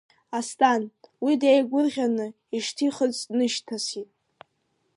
Асҭан, уи деигәырӷьаны, ишьҭихырц днышьҭасит.